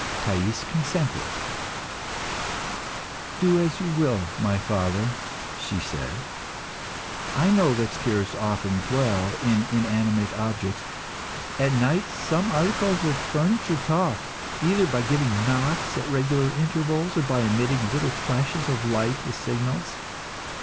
Thais consented. "Do as you will, my father," she said. "I know that spirits often dwell in inanimate objects. At night some articles of furniture talk, either by giving knocks at regular intervals or by emitting little flashes of light as signals.